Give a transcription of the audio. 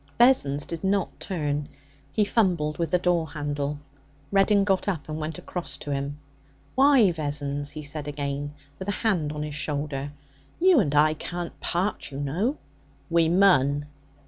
Vessons did not turn. He fumbled with the door handle. Reddin got up and went across to him. 'Why, Vessons?' he said again, with a hand on his shoulder. 'You and I can't part, you know.' 'We mun.'